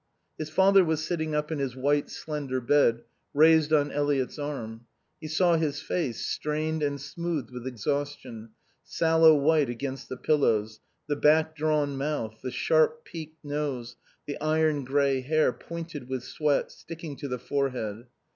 His father was sitting up in his white, slender bed, raised on Eliot's arm. He saw his face, strained and smoothed with exhaustion, sallow white against the pillows, the back drawn mouth, the sharp, peaked nose, the iron grey hair, pointed with sweat, sticking to the forehead.